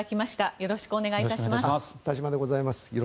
よろしくお願いします。